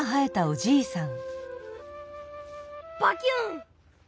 バキュン！